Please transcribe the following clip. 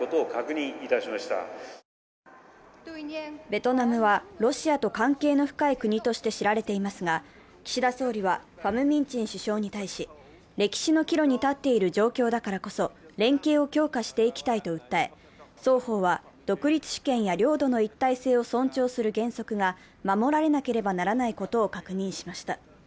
ベトナムはロシアと関係の深い国として知られていますが岸田総理はファム・ミン・チン首相に対し歴史の岐路に立っている状況だからこそ連携を強化していきたいと訴え双方は独立主権や領土の一体性を尊重する原則が守られなければならないことを確認しました。